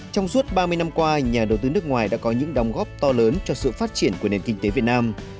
trong suốt ba mươi năm qua nhà đầu tư nước ngoài đã có những đồng góp to lớn cho sự phát triển của nền kinh tế việt nam